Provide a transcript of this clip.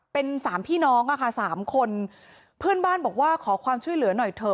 เป็นสามพี่น้องอะค่ะสามคนเพื่อนบ้านบอกว่าขอความช่วยเหลือหน่อยเถอะ